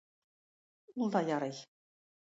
Ул да ярый.